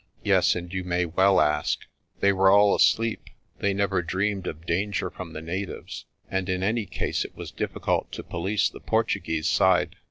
Yes, and you may well ask. They were all asleep. They never dreamed of danger from the natives, and in any case it was difficult to police the Portuguese side.